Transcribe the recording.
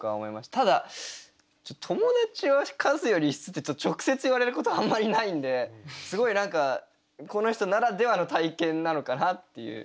ただ「友達は数より質」って直接言われることはあんまりないんですごい何かこの人ならではの体験なのかなっていう。